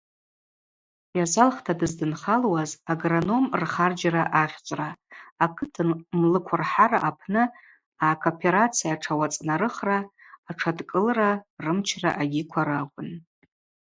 Йазалхта дыздынхалуаз агропром рхарджьра агъьчӏвра, акыт млыкврхӏара апны акооперация тшауацӏнарыхра, атшадкӏылра рымчра агьиква ракӏвын.